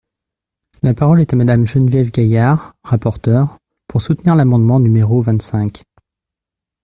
La parole est à Madame Geneviève Gaillard, rapporteure, pour soutenir l’amendement numéro vingt-cinq.